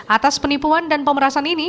atas penipuan dan pemerasan ini